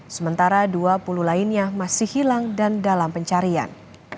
sementara dua puluh lainnya masih hilang dan dalam pencarian